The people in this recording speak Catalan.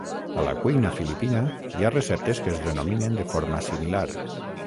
A la cuina filipina hi ha receptes que es denominen de forma similar.